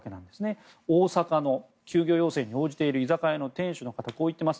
大阪の休業要請に応じている居酒屋の店主の方はこう言っています。